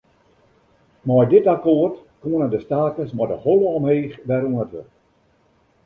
Mei dit akkoart koenen de stakers mei de holle omheech wer oan it wurk.